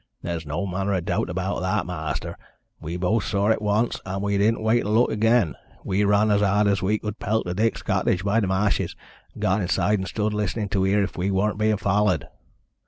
"There's no manner o' doubt about that, ma'aster. We both saw it once, and we didn't wait to look again. We run as hard as we could pelt to Dick's cottage by the ma'shes, and got inside and stood listenin' to heer if we were bein' follered.